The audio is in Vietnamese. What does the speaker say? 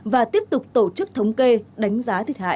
và tiếp tục tổ chức thống kê đánh giá thiệt hại